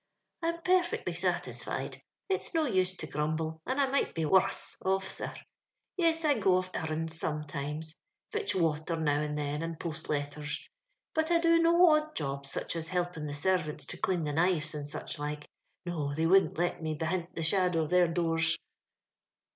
«< I'm perfectly satisfied ; it's no use to grumble, and I might be worms ofi*, sir. Yes, I go of arrinds some times ; fitch water now and then, and post letters ; but I do no odd jobs, such as hilping the servants to dean the knives, or such like. No: they wouldn't let me behint the shadow of their doors."